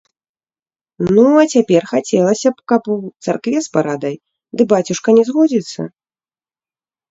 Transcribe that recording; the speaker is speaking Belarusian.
Ну, а цяпер хацелася, каб у царкве з парадай, ды бацюшка не згодзіцца?